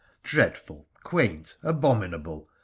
Dread ful, quaint, abominable!